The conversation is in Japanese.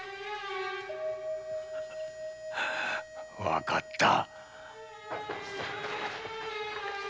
分かった。